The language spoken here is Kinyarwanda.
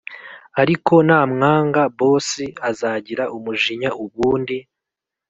ariko namwanga boss azagira umujinya ubundi